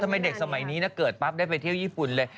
ทำไมเด็กสมัยนี้เกิดปั๊บได้ไปเที่ยวญี่ปุ่นเลย